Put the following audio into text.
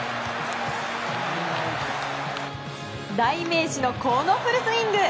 代名詞のこのフルスイング。